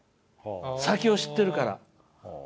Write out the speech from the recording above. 先を知ってるから。